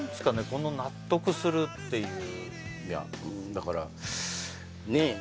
この「納得する」っていういやだからねえ